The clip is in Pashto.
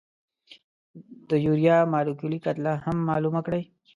د یوریا مالیکولي کتله هم معلومه کړئ.